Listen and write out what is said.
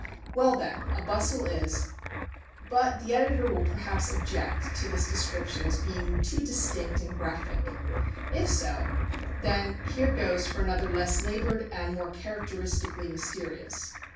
Well, then, a bustle is… But the editor will perhaps object to this description as being too distinct and graphic. If so, then here goes for another less laboured and more characteristically mysterious.